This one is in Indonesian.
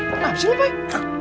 kenapa sih lo pak